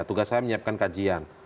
tugas saya menyiapkan kajian